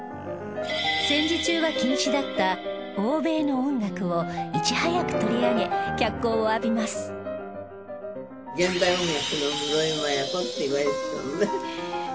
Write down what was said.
戦時中は禁止だった欧米の音楽をいち早く取り上げ脚光を浴びますって言われてたのね。